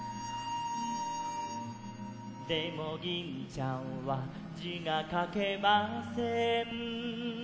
「でもぎんちゃんはじがかけません」